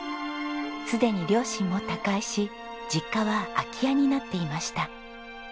すでに両親も他界し実家は空き家になっていました。